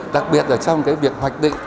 đặc biệt là trong việc hoạch định